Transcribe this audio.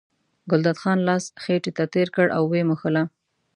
ګلداد خان لاس خېټې ته تېر کړ او یې مښله.